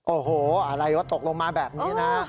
โอ้โหอะไรวะตกลงมาแบบนี้นะ